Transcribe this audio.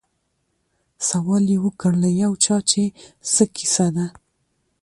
سوال یې وکړ له یو چا چي څه کیسه ده